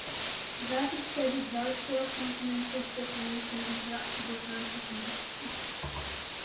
There he studied large scale continental deformation interacting with mantle convection.